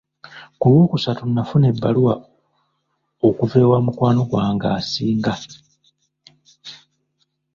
Ku lw'okusatu nafuna ebbaluwa okuva ewa mukwano gwange asinga.